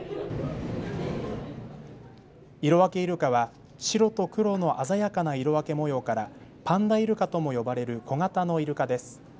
イロワケイルカは白と黒の鮮やかな色分け模様からパンダイルカとも呼ばれる小型のいるかです。